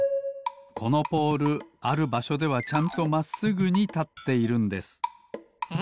このポールあるばしょではちゃんとまっすぐにたっているんです。え？